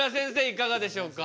いかがでしょうか？